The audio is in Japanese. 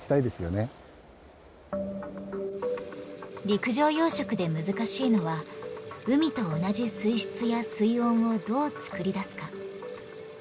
陸上養殖で難しいのは海と同じ水質や水温をどう作り出すか。